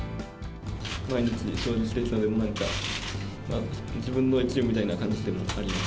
毎日将棋をしてきたので、自分の一部みたいな感じでもあります。